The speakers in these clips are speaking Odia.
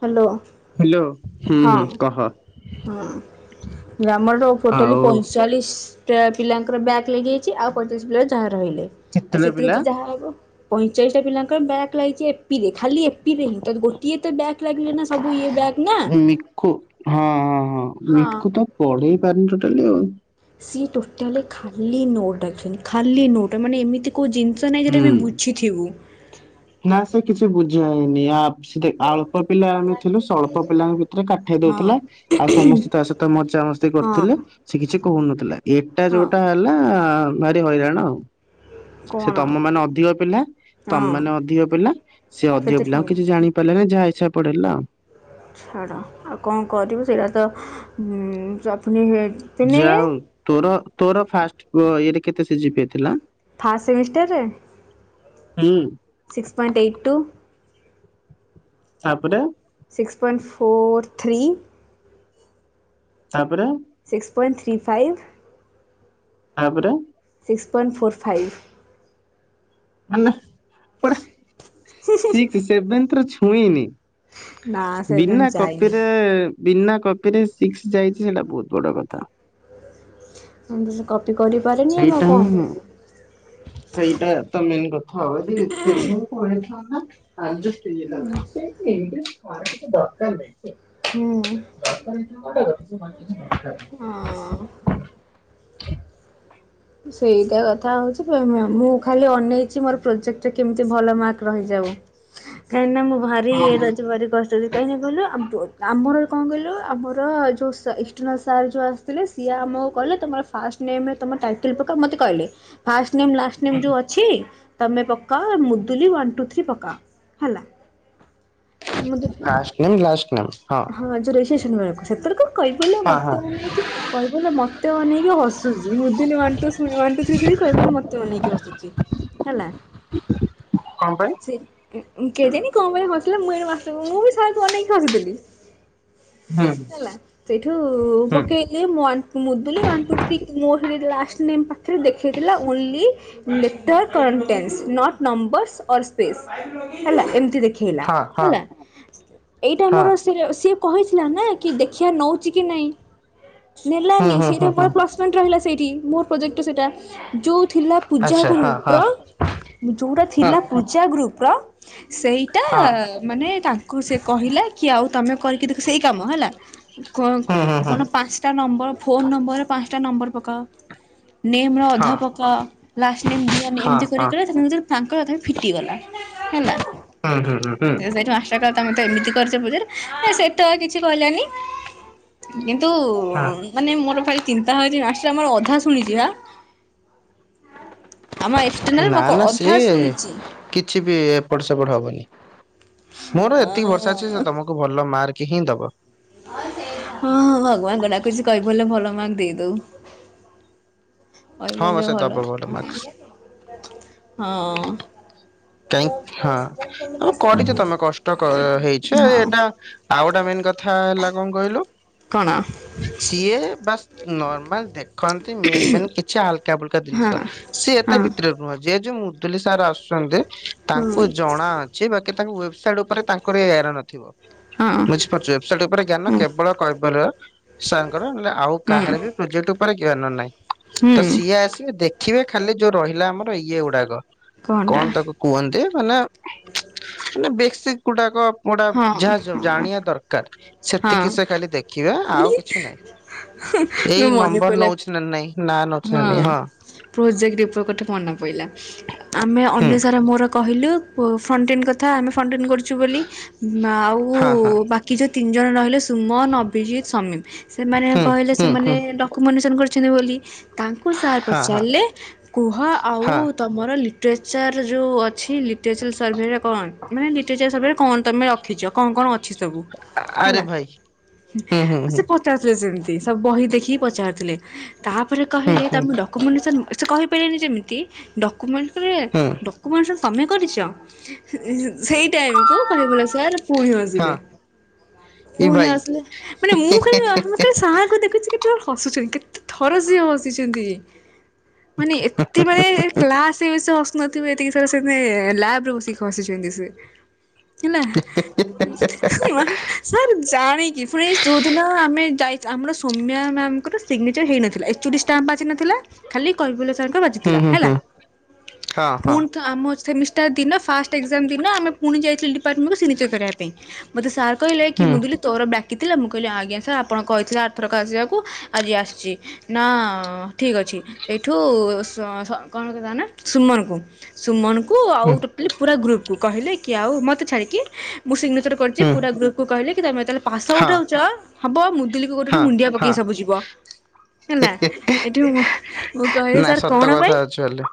ହାଲୋ। ହ୍ୟାଲୋ। ହୁଁ ହଁ ହୁଁ କହ ହଁ ରାମର ଦୋଉ ଟୋଟାଲି ଆଉ ପଇଁଚାଲିଶ୍ ଟା ପିଲାଙ୍କର ବ୍ୟାକ୍ ଲାଗିଯାଇଛି ଆଉ ପଇଁଚାଳିଶ ପିଲାରୁ ଯାହା ରହିଲେ ଆଉ କେତେଟା ସେଥିରେ ପିଲା ତ ଯାହା ହବ। ପଇଁଚାଳିଶଟା ପିଲାଙ୍କର ବ୍ୟାକ୍ ଲାଗିଚି। ପି ଲେ ଖାଲି ଏପିରେ ହିଁ କେବ୍ ଗୋଟିଏ ତ ବ୍ୟାକ୍ ଲାଗିଲେ ନା ସବୁ ଇଏ ବ୍ୟାକ୍ ନା। ଲିକୁ ହଁ ହଁ ହଁ ଲିକୁ ତ ପଢେଇ ପାରୁନି ଟୋଟାଲି ଆଉ। ସିଏ ଟୋଟାଲି ଖାଲି ନୋଟ୍ ଡାକୁଛନ୍ତି ଖାଲି ନୋଟ ମାନେ ଏମିତି କୋଉ ଜିନିଷ ନାଇଁ ଯେ ତମେ ହୁଁ ବୁ ଝିଥିବୁ। ନା ସିଏ କିଛି ବୁଝାଏନି ଆପ୍ ସି ଦେ ଅଳ୍ପ ପିଲା ଆମେ ଥିଲୁ ସେ ଅଳ୍ପ ପିଲାଙ୍କ ଭିତରେ କାଠେଇ ହଁ ଦଉଥିଲା। ଆଉ ସମସ୍ତେ ତା ସହିତ ମଜା ମସ୍ତି ହଁ କରୁଥିଲେ। ସେ କିଛି କହୁନଥିଲା ଏଟା ହଁ ଯୋଉଟା ହେଲା ଭାରି ହଇରାଣ ଆଉ। ସେ କଣ ତମମାନ କରିବୁ ଅଧିକ ପିଲା ହଁ ତମେମାନେ ଅଧିକ ପିଲା ସେ କେତେ ଅଧିକ ପିଲାଙ୍କୁ ଶୁଣିବୁ କିଛି ଜାଣି ପିଲ ଯାହାଇସା ପେଇା ଛାଡ଼ ଆଉ କଣ କରିବୁ ସେଇଟା ତ ଚପନି ଯଉ ତୋର ତୋର ଫାଷ୍ଟ ଇଏରେ କେତେ ସିଝିପିଇ ଥିଲା ଫାଷ୍ଟ ସେମିଷ୍ଟରରେ ହୁଁ ସିକ୍ସ ପଏଣ୍ଟ ଏଇଟ୍ ଟୁ ତାପରେ ସିକ୍ସ ପଏନ୍ ଫୋର୍ ଥ୍ରୀ ତାପରେ ସିକ୍ସ ପଵଏଣ୍ଟ ଥ୍ରୀ ଫାଇଭ ତାପରେ ସିକ୍ସ ପଏଣ୍ଟ ଫୋର୍ ଫାଇଭ ପ ସିକ୍ସ ସେଭେନଥ ଛୁଇନି ନା ସେଭେନ୍ ବିନା ଯାଇନି କପିରେ ବିନା କପିରେ ସିକ୍ସ ଯାଇଛି ସେଇଟା ବହୁତ ବଡ କଥା ମୁଁ ତ ସେ କପି କରିପାରେନି ଆମ ସେଇଟା କଣ ହିଁ କରିବୁ ସେଇଟା ତ ମେନ୍ କଥା ହବ ଯେ ସେ କହିଥାନ୍ତା ଆ ପ ଏଇ କ ଦଡକାର ହୁଁ ଭାଇଛି ଦରକାର ଏ ମୋଟେ ଦରକାର ହଁ ସେଇଟା କଥା ହଉଛି ମୁଁ ଖାଲି ଅନେଇଛି ମୋର ପ୍ରୋଜେକ୍ଟରେ କେମିତି ଭଲ ମାର୍କ ରହିଯାଉ କାହିଁକି ନା ମୁଁ ଭାରି ଇଏ ଅଛି ଭାରି କ ଯଦି କାହିଁକି କହିଲୁ ଆମର କଣ କହିଲୁ ଆମର ଯେଉଁ ଇସଟର୍ନାଲ୍ ସାର୍ ଯେଉଁ ଥିଲେ ସିଏ ଆମକୁ କଲେ ତମ ଫାଷ୍ଟ ନେମମ ଶପକ ମତେ କହିଲେ ଫାଷ୍ଟ ନେ ଲା ନେ ଯୋଉ ଅଛି ତୁମେ ପକାଅ ମୁଦୁଲି ୱାନ୍ ଟୁ ଥ୍ରୀ ପକାଅ ହେଲା ମୁଦୁଲି ା ନେ ଲା ନେଁ ହଁ ଯୋଉ ରନ ବେଳକୁ ସେତର କ କହିବାର ହଁ ହଁ ମତେ ନେଇକି କହିବ ମତେ ଅନେଇକି ହସୁଛି ମୁଁଥିଲିା୍ରୀ କିବିଲ ମେ ଅନେଇକିଛି ହେଲା କଣ ପାଇଁ ସେ କେଦିନ କଣ ବଳେ ହସିଲେ ମୁଇଣ ମାସ ମୁଁ ବି ସକୁ ଅନକି ହସିଥିଲି ହୁଁ ହେଲା ସେଇଠୁ ହୁଁ ପକେଇ ମୁ ମୋ ସେଠ ଲାଷ୍ଟ ନେମ ପାଖରେ ଦେଖେଇଥିଲା ଓନ୍ଲି ଣ୍ ନମ୍ବର୍ ସ୍ପେସ୍ ହେଲା ଏମିତି ଦେଖ ହେଲା ହଁ ହଁ ହେଲା ଏଇଟା ହଁ ମୋର ସି କହିଥିଲା ନା କି ଦେଖିବା ନଉଛି କି ନାଇଁ ହୁଁ ନେଲାନି ହୁଁ ହୁଁ ସେଇଟା୍ ପୁଣି ହୁଁ ପ୍ଲସ ହ ସେଇଠି ମୋର ପ୍ରୋଜେକ୍ଟ ସେଟା ଯୋଉ ଥିଲା ପୂଜା ଆଚ୍ଛା ହଁ ହଁ ର ଯଉଟା ହଁ ଥିଲା ପୂଜା ଗ୍ରୁପ ର ସେଇଟା ହଁ। ମାନେ ତାଙ୍କୁ ସେ କହିଲା କି ଆଉ ତମେ କରିକି ଦେଖ ସେଇ କାମ ହେଲା କଣ ହୁଁ ହୁଁ ହୁଁ କଣ ପାଞ୍ଚଟା ନମ୍ବର ଫୋନ୍ ନମ୍ବର ପାଞ୍ଚଟା ନମ୍ବର ପକାଅ ନେମ ର ହଁ ଅଧାପକ ଲାଷ୍ଟ ନେମ୍ ଦିଅନି ହଁ ଏମିତି ହଁ କରିିକଲେ ତାଙ୍କିତ ତାଙ୍କର ଏ ତମେ ଫିଟିଗଲା ହେଲା ହୁଁ ହୁଁ ହୁଁ ହୁଁ ସେଠୁ ତମେ ତ ଏମିତି କରିଛ ପୂଜାର ନା ସେତ ଆଉ କିଛି କହିଲାନି କିନ୍ତୁ ହଁ ମାନେ ମୋର ଭାର ଚିନ୍ତା ହଛି ନାସା ଆମର ଅଧା ଶୁଣିଛି ହେ ଆମ ଏକ୍ସଟର୍ଲ ନା ମ ନା ସିଏ ଅଧା ଶୁଣିଛି କିଛି ବି ଏପଟ ସେପଟ ହବନି ମୋର ଏତିକି ଭର୍ଷା ଅଛି ସେ ତମକୁ ଭଲ ମାର୍କ ହିଁ ଦବ ହଁ ହଁ ଭଗବାନ ଗଡାକୁଛି କହିହିବଲେ ଭଲ ମାର୍କ ଦେଇଦଉ ଆ ହଁ ବା ବୋଲି ସେ ଦବ ହଲ ଭଲ ମାର୍କ ହଁ କାହିଁ ହଁ ଆ କରିଛ ତମେ କଷ୍ଟ ହେଇଛ ଆ ହଁ ଏଇଟା ଆଉ ଗୋଟେ ମେନ୍ କଥା ହେଲା କଣ କହିଲୁ କଣ? ସିଏ ବାସ୍ ନର୍ମାଲ ଦେଖନ୍ତି ମେନ୍ ମେନ୍ କିଛି ହାଲକା ଫୁଲକା ହଁ ଜିନିଷ। ସିଏ ଏତେ ହଁ ଭିତରେ ନୁହଁ ଯେ ଯୋଉ ମୁଦୁଲି ସାର୍ ଆସୁଛନ୍ତି ତାଙ୍କୁ ଜଣା ସିଏ ବାକି ତାଙ୍କୁ ୱେବସାଇଟ୍ ଉପରେ ତାଙ୍କର ଏ ଏର ନଥିବ। ହଁ ବୁଝିପାରୁଛ ୱେବସାଇଟ ଉପରେ ଜ୍ଞାନ ହଁ କେବଳ କହିପାରିବ ସାରଙ୍କର ନହଲେ ଆଉ ହୁଁ କାହାର ବି ପ୍ରୋଜେକ୍ଟ ଉପରେ ଜ୍ଞାନ ନାହିଁ ହୁଁ ତ ସିଏ ଆସିବେ ଦେଖିବେ ଖାଲି ଯୋଉ ରହିଲା ଆମର ଇଏ ଗୁଡାକ କଣଟା? କଣ ତାକୁ କୁହନ୍ତି ମାନେ ମାନେ ବେଶୀକ୍ ଗୁଡାକ ଗୋଟା ହଁ ଯାହା ହଁ ଜାଣିବା ଦରକାର ସେତିକି ସେ ଖାଲି ଦେଖିବା ଆଉ କିଛି ନାହିଁ। ଏଇ ହଁ ମନେ ନମ୍ବର ପଇଲା ନଉଛି ନା ନାଇଁ ନାଁ ନଉଛି ନା ନାଇଁ ହଁ ପ୍ରୋଜେକ୍ଟ ଉପରେ ଗୋଟେ ମନେ ପଡ଼ିଲା ଆମେ ହୁଁ ଅନ୍ୟ ସାର ମୋର କହିଲୁ ଫଣ୍ଟିନ୍ କଥା ଆମେ ଫଣ୍ଟିନ୍ କରୁଛୁ ବୋଲି ଆଉ ହଁ ହଁ ବାକି ଯେଉଁ ତିନି ଜଣ ରହିଲେ ସୁମନ, ଅଭିଜିତ, ସମୀମ୍ ସେମାନେ ହୁଁ। କହିଲେ ହୁଁ ସେମାନେ ହୁଁ ଡ [unintelligible] କରିଛନ୍ତି ବୋଲି ତାଙ୍କୁ ସାର୍ ହଁ ହଁ ପଚାରିଲେ କୁହ ଆଉ ହଁ ତମର ଲିଟ୍ରେଚର ଯୋଉ ଅଛି ଲିଟ୍ରେଚର ସର୍ଭେରେ କଣ ମାନେ ଲିଟ୍ରେଚର ସର୍ଭେରେ କଣ ତମେ ରଖିଛ କଣ କଣ ଅଛି ସବୁ ଆରେ ହେଲା ଭାଇ ହୁଁ ହୁଁ ହୁଁ ସେ [unintelligible] ବହି ଦେଖି ପଚାରୁଥିଲେ ତାପରେ ହୁଁ କହିଲେ ହୁଁ ତାଙ୍କୁ ଡକୁମେଣ୍ଟ ସେ କହିପାରିଲେନି ଯେମିତି ଡକୁମେଣ୍ଟ ରେ ହୁଁ ଡକୁମେଣ୍ଟ ତମେ କରିଛ ସେଇ ଟାଇମକୁ ଗଲା ସ ପୁଣି ହଁ ଆସିଲେ ଏଇ ପୁଣି ଭାଇ ଆସିଲେ ମାନେ ମୁଁ ଖାଲି ସାରଙ୍କୁ ଦେଖୁଛି କେତେ ହସୁଛନ୍ତି କେତେ ଥର ସିଏ ହସିଛନ୍ତି। ମାନେ ଏତେ ବେଳେ କ୍ଲାସ ହସୁନଥିବେ ଏତିକି ସେ ଲାବରେ ବସିକି ହସିଛନ୍ତି ସେ ହେଲା? [unintelligible] ସାର୍ ଜାଣିକି ପୁଣି ଯେଉଁଦିନ ଆମେ ଯାଇ ଆମର ସୋମ୍ୟା ମ୍ୟାମଙ୍କର ସିଗ୍ନେଚର ହେଇନଥିଲା ଏଚ୍ ଓ ଡ଼ି ଷ୍ଟାମ୍ପ ବାଜି ନଥିଲା ଖାଲି କୈବଲ୍ୟ ସାରଙ୍କ ହୁଁ ବାଜିଥିଲା ହୁଁ ହେଲା ହୁଁ ହଁ ହଁ ପୁଣି ଥ ଆମ ସେମି ଦିନ ଫାଷ୍ଟ ଏକ୍ଜାମ୍ ଦିନ ଆମେ ପୁଣି ଯାଇଥିଲୁ ଡିପାର୍ଟମେଣ୍ଟକୁ ସିିଗ୍ନେଚର କରିବା ପାଇଁ ମତେ ସାର୍ କହିଲେ କି ହୁଁ। ମୁଦୁଲି ତୋର ବାକିଥିଲା ମୁଁ କହିଲି ଆଜ୍ଞା ସାର୍ ଆପଣ କହିଥିଲେ ଆର ଥରକ ଆସିବାକୁ ଆଜି ଆସିଛି। ନା ଠିକ ଅଛି ସେଇଠୁ କଣ କଥା ନା ସୁମନକୁ ସୁମନକୁ ହୁଁ ଆଉ ଟୋଟାଲି ପୁରା ଗ୍ରୁପକୁ କହିଲେ କି ଆଉ ମୋତେ ଛାଡ଼ିକି ମୁଁ ସିଗ୍ନେଚର୍ ହୁଁ କରିଛି ପୁରା ଗ୍ରୁପକୁ କହିଲେ କି ତୁମେ ଯେତେବେଳେ ହଁ ପାସ୍ଆଉଟ ହଉଛ ହେବ ମୁ ହଁ [unintelligible] ମୁଣ୍ଡିଆ ହଁ ପକେଇ ସବୁ ଯିବ। ହେଲା ଏଠି ମୁଁ କହିଲି ନା ସାର୍ ସତ କଣ କଥା ପାଇଁ? ଆକ୍ଚୁଆଲି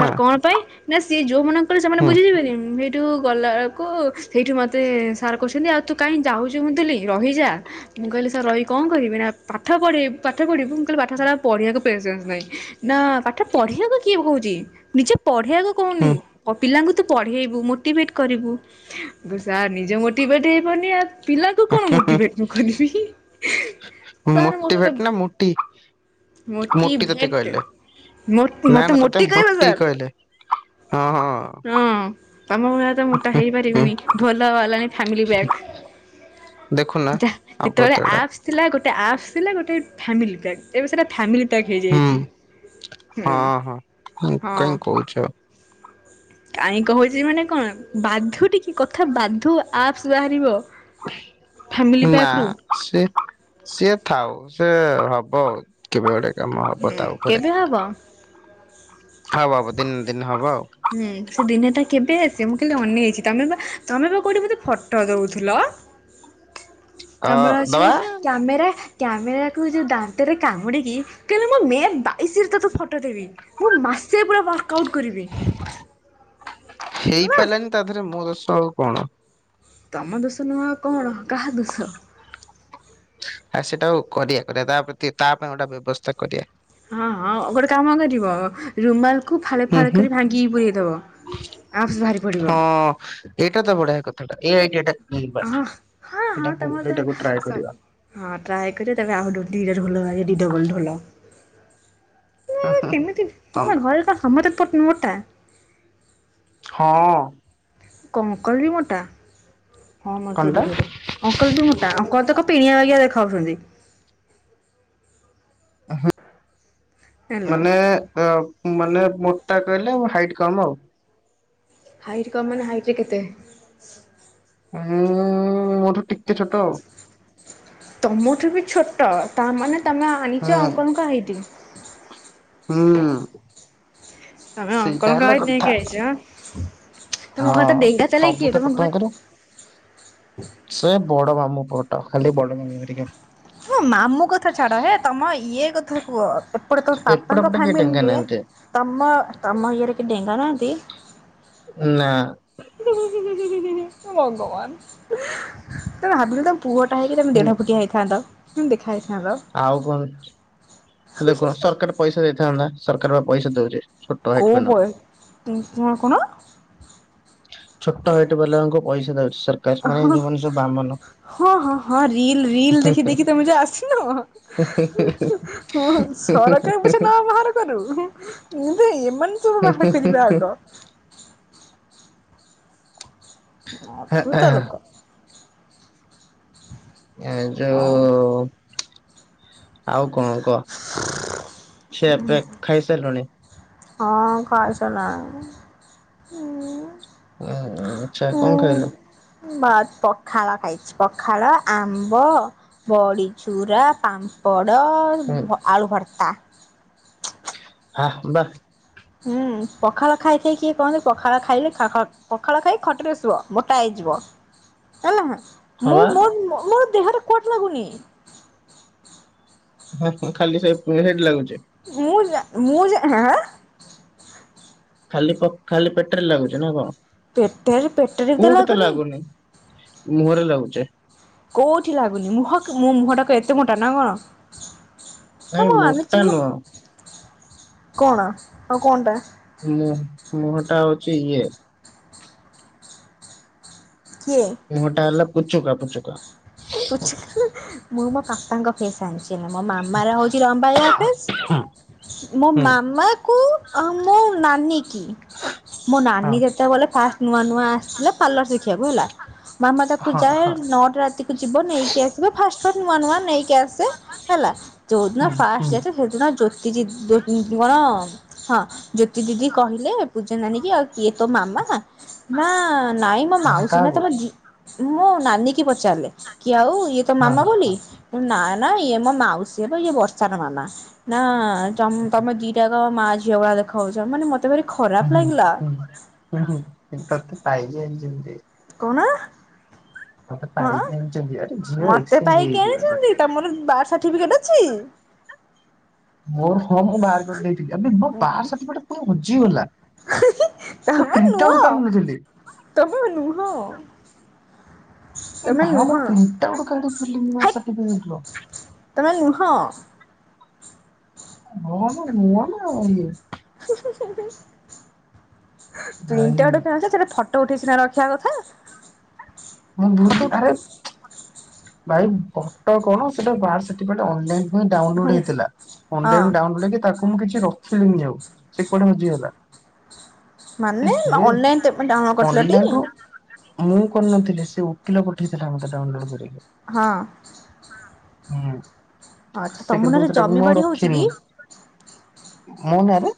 ହଁ କଣ ପାଇଁ ନା ସିଏ ଯୋଉ ମାନଙ୍କୁ କହିଲେ ସେମାନେ ହୁଁ ବୁଝିଯିବେନି। ସେଠୁ ଗଲାବେଳକୁ ସେଇଠୁ ମୋତେ ସାର୍ କହୁଛନ୍ତି ଆଉ ତୁ କାହିଁକ ଯାଉଛୁ ମୁଦୁଲି ରହିଯା। ମୁଁ କହିଲି ସାର୍ ରହିକି କଣ କରିବି ନା ପାଠ ପଢି ପାଠ ପଢ଼ିବି ମୁଁ କହିଲି ପାଠ ସା ପଢିବାକୁ ପେସେନ୍ସ ନାହିଁ। ନା ପାଠ ପଢିବାକୁ କିଏ ହଉଛି ନିଜେ ପଢେଇଆକୁ କହୁନି ପିଲାଙ୍କୁ ତ ପଢେଇବୁ ମୋ ଟିଭେଟ କରିବୁ ମୁଁ ସାର ନିଜେ ମୋଟି ଭେଟ ହେଇପାରୁନି ପିଲାଙ୍କୁ କଣ ମୋଟିଭେଟ [unintelligible] ସାର୍ ମୋ ସହିତ ମୋଟିଭେଟ ନା ମୋଟି? ମୋଟି ତୋତେ ମୋଟିଭେଟ୍ କହିଲେ ନା ମୋତେ ନା ତତେ କହିବେ ମୋଟି ସାର୍ କହିଲେ। ହଁ ହଁ। ହଁ ତମ ଭଳିଆ ତ ମୋଟା ହୁଁ ହେଇପାରିବିନି ଢୋଲା ବାଲାଣି ଫାମିଲି ବାଗ। ଦେଖୁନା ଯେତେବେଳେ ଅଭଦ୍ରଟା ଆପ୍ସ ଥିଲା ଗୋଟେ ଆପ୍ସ ଥିଲା ଗୋଟେ ଫାମିଲି ପ୍ୟାକ। ଏବେ ସେଇଟା ଫାମିଲିପ୍ୟାକ୍ ହୁଁ ହେଇଯାଇଛି ହଁ ହଁ ହଁ। କାହିଁ କହୁଛ କାଇଁ କହୁଛି ମାନେ କଣ ବାଧୁ ଟିକେ କଥା ବାଧୁ ଆପ୍ସ ବାହାରିବ। ଫ୍ୟାମିଲି ନା ପ୍ୟାକ୍ ରୁ ସିଏ ସିଏ ଥାଉ ସି ହବ ଆ କେବେ ଗୋଟେ। ମ ହବ ତାଉ ଉପରେ କେବେ ହବ? ହବ ହବ ଦିନ ଦିନ ହବ ଆଉ ହୁଁ ସେ ଦିନେଟା କେବେ ଆସିବେ ମୁଁ କହିଲେ ଅନେଇଛି ତମେ ବା ତମେ ବା କଉଠି ମୋତେ ଫଟୋ ଦଉଥିଲ ଅ କାମରା ଅଛିଉ ଦବା କ୍ୟାମେରା କ୍ୟାମେରା କକୁ ଯଉ ଦାନ୍ତରେ କାମୁଡ଼ିକି କହିଲଲେ ମୋ ମେ ବାଇଶରେ ତୋତ ଫଟୋ ଦେବି ମୁଁ ମାସେ ପୁରା ୱାର୍କ ଆଉଟ୍ କରିବି ହେଲା ହେଇପାରିଲାନି ତା ଦେହରେ ମୁୋ ଦର୍ଶ ଆଉ କଣ ତମ ଦୋଷ ନୂଆଁ କଣ କାହା ଦୋଷ ଆଉ ସେଇଟା କରିଦଆ କରିଦଆ ତା ତା ପାଇଁ ଗୋଟା ବ୍ୟବସ୍ଥା କରିଦଆ ହଁ ହଁ ଗୋଟେ କାମ କରିବ ରୁମାଲକୁ ଫାଳେ ହୁଁ ଫାଳେ ହୁଁ କରି ଭାଙ୍ଗିକି ପୁରଇଦେବ ଆଉଫସ ବାହାରି ପଡ଼ିବ ହଁ ଏଇଟା ତ ବଢିଆ କଥାଟା ଏଇାଇଟା ହଁ ହଁ ହଁ ତମର ତ ଏଇଟାକୁ ଟ୍ରାଏ ସବୁ କରିବା ହଁ ଟ୍ରାଇ କରେ ଆ ଡଲ ଢୋଲ ହୁଁ ନା ହୁଁ କେମିତି ତମ୍ ତମ ଘରେ ସମର ପଟନ ମଟା ହଁ କଣ କଲି ମୋଟା ହଁ ମୋ କଣଟା ସେଠ ଘରେ ଅଙ୍କଲ ବି ମୋଟା ଅଙ୍କଲ ତ ତା କିଣିଆ ଆଗଆ ଦେଖାଉଛନ୍ତି ହ୍ୟାଲୋ। ମାନେ ଅ ମାନେ ମୋଟା କହିଲେ ଆ ହାଇଟ୍ କମ ଆଉ ହାଇଟ୍ କ ମାନ ହାଇଟ ରେ କେତେ ମୁଁ ମୋ ଠୁ ଟିକେ ଛୋଟ ଆଉ ତୁମଠୁ ବି ଛୋଟ ତାମାନୋନେ ତୁମେ ଆଣିଛ ଆଉ ଅଙ୍କଲଙ୍କ ହେଇଦି ହୁଁ ତମେ ସେଇଟା ଅଙ୍କଲଙ୍କ ହେଲା ହାଇଟ୍ ନେଇକି କଥା ଆଇଛ ଆଁ। ତମ ଘର ତ ହଁ ଡେଙ୍ଗା ଚାଲାକି କିଏ ସବୁ ତ ତମ ଘର ପ୍ରଥମଙ୍କର ସେ ବଡ ବାାମଁ ପଟ ଖାଲି ବଡ ମ ହଁ ମାମୁଁ କଥା ଛାଡ଼ ହେ ତମ ଇଏ କଥା କୁହ ଏପଟ ତମ ଏପଟ ପାପାଙ୍କ ପଟେ କେହି ଡେଙ୍ଗା ଫ୍ୟାମିଲିରେ ନାହାନ୍ତି ତମ ତମ ଇୟରେ କି ଡେଙ୍ଗା ନାହାନ୍ତି ନା ଭବାନ ତ ହାବିଲ ତ ପୁଅଟା ହେଇକି ତମେ ହୁଁ ଦେ଼ ଫୁଟିଆ ହୋଇଥାନ୍ ତ ଦେଖାହ ହୋଇଥାନ୍ତତା ଆଉ କଣ ହେଲେ କ ସରକାର ପଇସା ଦେଇଥାନ୍ତା ସରକାର ବା ପଇସା ଦଉଛ କଉ ପ ତୁମର କଣ ଛୋଟ ହେଇଠି ପିଲାଙ୍କୁ ପଇସା ଦଉଛି ସରକାର ମାନେ ହଁ ଯୋଉମାନେ ସବୁ ବାମନ ହଁ ହଁ ହଁ ରିଲ ରିଲ ଦେଖି ଦେଖି ତମେ ଯ ଆସିନ ସରକାରୀ ପଛେ ନ ବାହାର କରୁ ଏମାନେ ୁ ବାହାର କରିବାିବା ଆଗ ଆ ଶ ତଲୁୋକ ଏ ହଁ ଯୋଉ ଆଉ କଣ କ କହ ସେ ଏବେ ଖାଇସାରିଲୁଣି ହଁ ଖାଇସ ନାହି ଓ ଆଚଛା କଣ ଖାଇଲୁ ବ ପଖାଳ ଖାଇଛି ପଖାଳ ଆମ୍ବ ବଡ଼ିଚୁରା ପାମ୍ପଡ଼ ଆଳୁ ଭର୍ତ୍ତା ହଁ ବାହ ହୁଁ ପଖାଳ ଖାଇଥାଇ କିଏ କହନ୍ତି ପଖାଳ ଖାଇଲେ ପଖାଳ ଖାଇ ଖଟରେ ଶୁଭ ମୋଟା ହେଇଯିବ ହେଲା ହଁ ମୁଁ ବା ମୋ ମୋର ଦେହରେ କଟ ଲାଗୁନି ହଁ ହଁ ଖାଲି ସେ ହେଇଠ ଲାଗୁଚ ମୁଁ ମୁଁଁ ଖାଲି ଖାଲି ପେଟରେ ଲାଗୁଛି ନା କଣ ପେଟରେ ପେଟରେ ତ ଲାଗୁନି। ମୁହଁରେ ଲାଗୁଛେ। କୋଉଠି ଲାଗୁନି ମୁହଁକୁ ମୋ ମୁହଁଟା ଏତେ ମୋଟା ନା କଣ। ହେ ନାଇଁ ମୁଁ ମାନୁଚି ମୋଟା ମ। ନୁହଁ। କଣ ଆଉ କଣ ଟା? ମୁଁ ମୁହଁ ଟା ହଉଛି ଇଏ କିଏ? ମୁଁ ହିଁଟା ହେଲା ପୁଚୁକା ପୁଚିକା। ପଚାରିଲେ ମୁଁ ମୋ ପାପାଙ୍କ ସେ ସିଲ ମୋ ମାମାର ହଉଛି ଲମ୍ବାଳିଆ ଫେସ୍ ମୋ ହୁଁ ମାମା କୁ ଅ ମୋ ନାନୀ କି ମୋ ନାନୀ ହଁ ଯେତେବେଲେ ଫାଷ୍ଟ ନୂଆ ନୂଆ ଥିଲା ପାର୍ଲର ଶିଖିବାକୁ ହେଲା ମାମା ତାକୁ ହଁ ଯାଏ ହଁ ନଅଟା ରାତି ଯିବ ନେଇକି ଆସିବ ଫାଷ୍ଟ ଫାଷ୍ଟ ନୂଆ ନୂଆ ନେଇକି କିଆସେ ହେଲା ଯୋଉଦିନ ହୁଁ ଫାଷ୍ଟ ହୁଁ ଯାଇଥିଲେ ସେଦିନ ଜ୍ୟୋତିଜ୍ କଣ। ହଁ ଜ୍ୟୋତି ଦିଦି କହିଲେ ପୂଜା ନାନୀ କି ଆଉ କିଏ ତୋ ମାମା। ନା ନାଇଁ। ମୋ ମାନେ ମାଉସୀ ନା କାହାକୁ ତମ ମୋ ନାନୀ କି ପଚାରିଲେ କି ଆଉ ଇଏ ତ ହଁ ମାମା ହଁ ବୋଲି। ହଁ ନା ନା ଇଏ ମୋ ମାଉସୀହେବ ଇଏ ବର୍ଷାର ମାମା ନା ତମ ତମ ଦିଜ ତ ମା ଝିଅ ଭଳିଆ ଦେଖା ହଉଛ ମାନେ ମତେ ଭାରି ଖରାପ ଲାଗିଲା। ଏହୁଁ ତତେ ପାଇଲେ ଯେମିତି। କଣ ହଁ ପାଇକି ଆଣିଛନ୍ତି ଆରେ ଝିଅ ମତେ ଏକ୍ସଚେଞ୍ଜ ପାଇ କିି ହେଇଯିବ ଏଟା। ଆଣିଛନ୍ତି? ତମର ବାଥ୍ ସାର୍ଟିଫିକେଟ ଅଛି? ମୋର ହଁ ମୁଁ ବାହାର କରି ଦେଇଥିଲି ଏ ମୋର ବାଥ୍ ସାଠି ପିକେଟେ କୁଆଡେ ହଜିଗଲା। ମୁଁ ପ୍ରିଣ୍ଟନ୍ କାଢି ନଥିଲି। ତମ ନୁହଁ। ଏ ତମେ ଭା ମୁଁ ନୁହଁ। ପ୍ରିଣ୍ଟାଉଟ୍ କାଢ଼ି ପାରିଲିନି ହେ ନୂଆ ସାର୍ଟିଫିକେଟର। ତମେ ନୁହଁ। ହଁ ନା ନୁହଁ ନା ଆଉ ଇଏ। ଭାଇ ପ୍ରିଣ୍ଟାଉଟ୍ ଥାଆନ୍ତା ସେଟା ଫଟ ଫଟ ଉଠେକିସିନା ରଖିବା କଥା। ମୋର ଫଟୋ ଭୁଲୁ ଉଠ ଥାଏ। ଭାଇ ବଟ କଣ ସେଟା ବାଥ୍ ସେଠିପିକେଟେ ଅନଲାଇନ ଡାଉନ୍ ଲୋଡ ହୁଁ ହେଇଥିଲା ଅନ୍ ହଁ ଲାଇନିରୁ ତାକୁ ମୁଁ କିଛି ରଖିଲିିନି ଆଉ ସେ କୁଆଡେ ହଜିଗଲା। ଏ ମାନେ ହେ ଅନଲାଇନ୍ ପେମେଟେ ଡାଉନଲୋଡ ଅନଲାଇନ କରିଥିଲଟି? ରୁ ମୁଁ କରିନ ଥିଲି ସେ ଓକିଲ ପଠେଇଥିଲା ମତେ ଡାଉନଲୋଡ କରିକି। ହଁ। ହୁଁ ଆଚ୍ଛା ସେ ତମ କିନ୍ତୁ ନାଁରେ ସେଟାକୁ ଜମି ମୁଁ ବାଡି ହଉଛି ରଖିନି। କି? ମୁଁ ନୁ ହେଁ।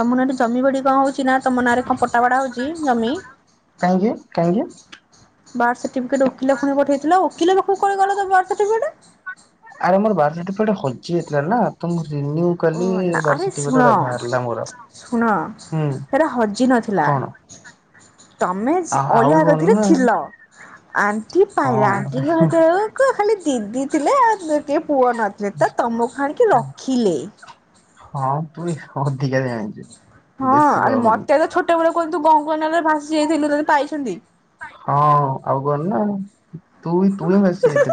ତମ ନାଁରେ ଜମି ବାଡି କଣ ହଉଛି ନା ତମ ନାଁରେ କଣ ପଟା ବଡା ହଉଛି ଜମି? କାହିଁକି କାହିଁକି? ବାଥ୍ ସାଠିପିକେଟେ ଓକିପୁଣି ପଠେଇଥିଲ ଓକିଲ ପାଖରୁ କୁଆଡେ କୁଆଡେ ଗଲା ବାଥ୍ ସାଠୀପିକେଟେ? ଆରେ ମୋର ବାଥ୍ ସାଠୀପି କେଟେ ହଯି ଯାଇଥିଲା ନା ତ ମୁ ଓ କାଲି ନା ବାଥ୍ ଆରେ ସାଠୀପିକେଟେ ଶୁଣ ବାହାରିଲା ମୋର ଶୁଣ ହୁଁ ସେଟା ହଜି ନଥିଲା କଣ? ହ ତମେ ସେ ଅଲିଆ କତିରେ ଥିଲ ଆଣ୍ଟି ପାଇଲା ହଁ ଆଣ୍ଟିଙ୍କ ହାତରୁ ଖାଲି ଦିଦି ଥିଲେ ଆଉ ଟିକେ ପୁଅ ନଥିଲେ ତ ତମକୁ ଆଣିକି ରଖିଲେ। ହଁ ତୁ ଅଧିକା ଜାଣିଛୁ। ହଁ ବେଶୀ ଆରେ କହନି ମତେ ତ ଛୋଟବେେଳେ କୁହନ୍ତୁ ଗଙ୍ଗନାଳରେ ଭାସି ଯାଇଥିଲୁ ତତେ ପାଇଛନ୍ତି। ହଁ ଆଉ କନା ନା ତୁ ବି ତୁ ହିଁ ଭାସି ଯାଇଥିଲୁ।